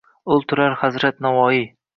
O’ltirardi Hazrat Navoiy